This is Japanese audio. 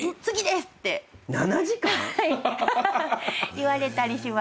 言われたりします。